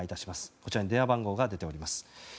こちらに電話番号が出ています。